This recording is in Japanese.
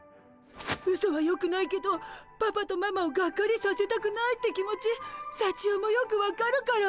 ウソはよくないけどパパとママをがっかりさせたくないって気持ちさちよもよく分かるから。